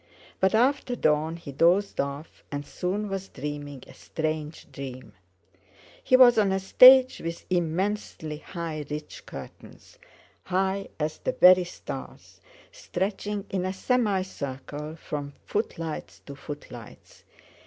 But after dawn he dozed off, and soon was dreaming a strange dream. He was on a stage with immensely high rich curtains—high as the very stars—stretching in a semi circle from footlights to footlights.